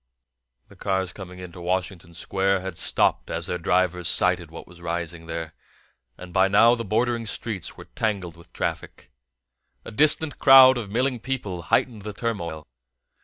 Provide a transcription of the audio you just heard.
The cars coming into Washington Square had stopped as their drivers sighted what was rising there, and by now the bordering streets were tangled with traffic. A distant crowd of milling people heightened the turmoil.